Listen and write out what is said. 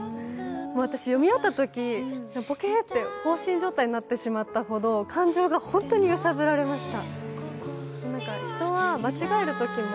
もう私、読み終わったとき、ぽけーって放心状態になってしまったほど、感情が本当に揺さぶられました。